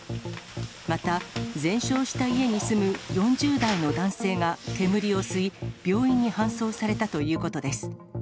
また全焼した家に住む４０代の男性が煙を吸い、病院に搬送されたということです。